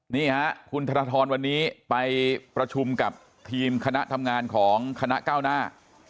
นี่ฮะคุณธนทรวันนี้ไปประชุมกับทีมคณะทำงานของคณะก้าวหน้า